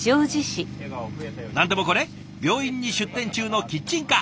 何でもこれ病院に出店中のキッチンカー。